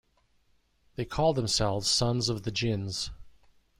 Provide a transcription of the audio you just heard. They call themselves sons of the Jinns.